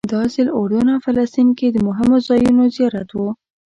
دا ځل اردن او فلسطین کې د مهمو ځایونو زیارت و.